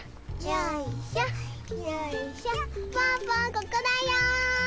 ここだよ！